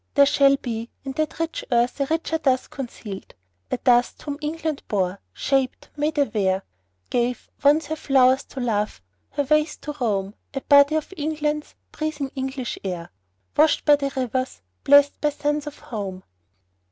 There shall be In that rich earth a richer dust concealed; A dust whom England bore, shaped, made aware, Gave, once, her flowers to love, her ways to roam, A body of England's, breathing English air, Washed by the rivers, blest by suns of home.